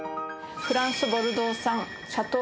フランス・ボルドー産シャトー・